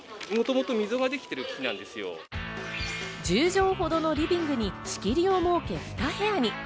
１０畳ほどのリビングに仕切りを設け、２部屋に。